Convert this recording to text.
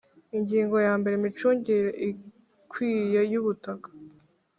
Ingingo ya mbere Imicungire ikwiye y ubutaka